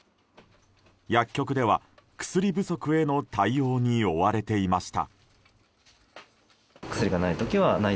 薬局では薬不足への対応に追われていました。